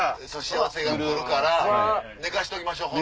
幸せが来るから寝かせときましょう。